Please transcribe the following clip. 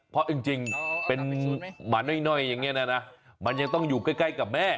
พอจริงเป็นหมาน้อยยังเงี่ยเนาะนะมันยังต้องอยู่ใกล้กับแม่